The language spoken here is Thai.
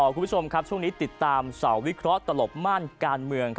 คุณผู้ชมครับช่วงนี้ติดตามเสาร์วิเคราะห์ตลบม่านการเมือง